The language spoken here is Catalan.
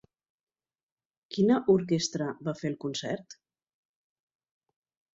Quina orquestra va fer el concert?